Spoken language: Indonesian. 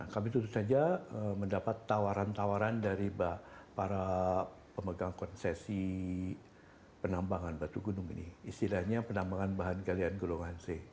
kami tentu saja mendapat tawaran tawaran dari para pemegang konsesi penambangan batu gunung ini istilahnya penambangan bahan galian golongan c